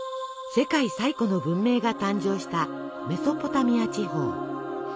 世界最古の文明が誕生したメソポタミア地方。